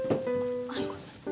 はい。